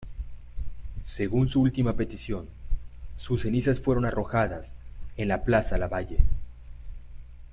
Según su última petición, sus cenizas fueron arrojadas en la Plaza Lavalle.